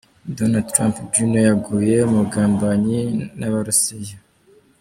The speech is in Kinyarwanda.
Don Trump Junior yaguye mu bugambanyi n’Abarusiya.